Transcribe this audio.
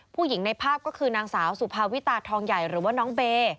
ในภาพก็คือนางสาวสุภาวิตาทองใหญ่หรือว่าน้องเบ